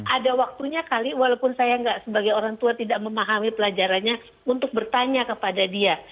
ada waktunya kali walaupun saya sebagai orang tua tidak memahami pelajarannya untuk bertanya kepada dia